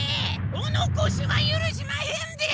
お残しは許しまへんで！